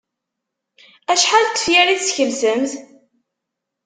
Acḥal n tefyar i teskelsemt?